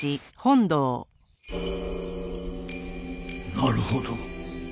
なるほど。